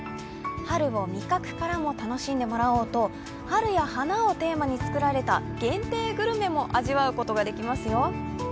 春を味覚からも楽しんでもらおうと、春や花をテーマに作られた限定グルメも味わうことができますよ。